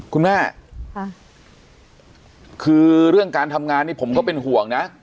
คุณแม่คือเรื่องการทำงานนี่ผมก็เป็นห่วงนะ